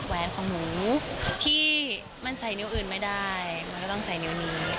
แหวนของหมูที่มันใส่นิ้วอื่นไม่ได้มันก็ต้องใส่นิ้วนี้